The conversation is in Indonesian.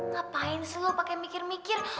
ngapain sih lo pakai mikir mikir